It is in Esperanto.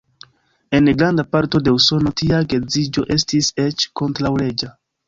En granda parto de Usono tia geedziĝo estis eĉ kontraŭleĝa.